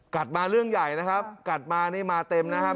มาเรื่องใหญ่นะครับกัดมานี่มาเต็มนะครับ